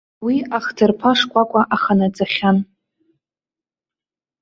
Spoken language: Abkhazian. Уи ахҭырԥа шкәакәа аханаҵахьан.